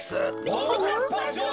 ももかっぱじょ